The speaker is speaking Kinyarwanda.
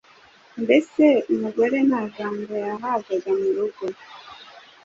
Mbese, umugore nta jambo yahabwaga mu rugo.